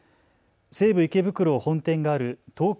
西武池袋本店がある東京